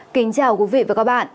kính chào quý vị và các bạn